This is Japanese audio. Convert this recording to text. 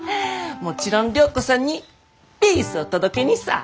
もちろん良子さんにピースを届けにさぁ。